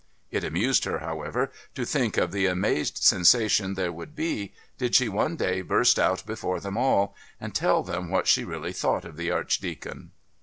It amused her, however, to think of the amazed sensation there would be, did she one day burst out before them all and tell them what she really thought of the Archdeacon.